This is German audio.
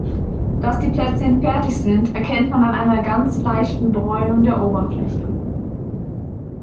Dass die Plätzchen fertig sind, erkennt man an einer ganz leichten Bräunung der Oberfläche.